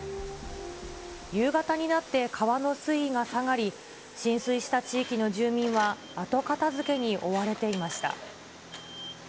夕方になって、川の水位が下がり、浸水した地域の住民は、後片づけに追われていました。